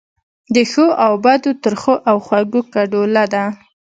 د ښو او بدو، ترخو او خوږو ګډوله ده.